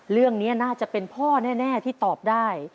เรื่องนี้น่าจะเป็นพ่อแน่ที่ตอบได้